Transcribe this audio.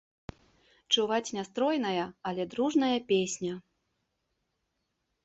Чуваць нястройная, але дружная песня.